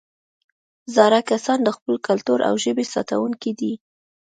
زاړه کسان د خپل کلتور او ژبې ساتونکي دي